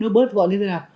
nó bớt gọn như thế nào